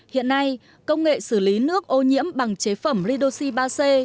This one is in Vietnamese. hiện nay công nghệ xử lý nước ô nhiễm bằng chế phẩm redoxi ba c